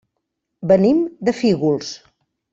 Venim de Fígols.